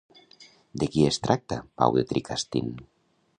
De qui es tracta Pau de Tricastin?